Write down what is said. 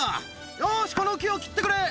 よーし、この木を切ってくれ。